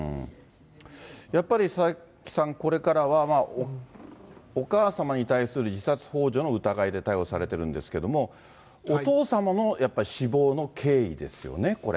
やっぱり佐々木さん、これからは、お母様に対する自殺ほう助の疑いで逮捕されてるんですけれども、お父様の死亡の経緯ですよ